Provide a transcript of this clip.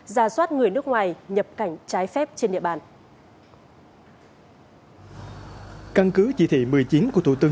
giả soát người nước ngoài nhập cảnh trái phép trên địa bàn